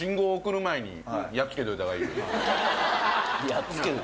やっつける？